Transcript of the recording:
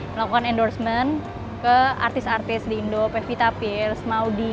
melakukan endorsement ke artis artis di indo pevita peers maudie